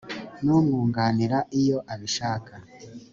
n umwunganira iyo abishaka